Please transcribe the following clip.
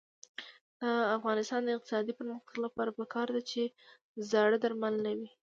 د افغانستان د اقتصادي پرمختګ لپاره پکار ده چې زاړه درمل نه وي.